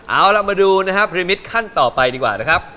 เอาล่ะมาดูนะครับพรีมิตขั้นต่อไปดีกว่านะครับ